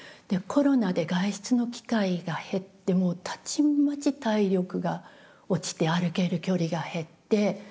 でコロナで外出の機会が減ってもうたちまち体力が落ちて歩ける距離が減って。